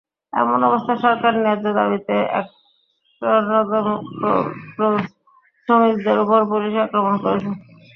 এমন অবস্থায় সরকার ন্যায্য দাবিতে অনশনরত শ্রমিকদের ওপর পুলিশি আক্রমণ করেছে।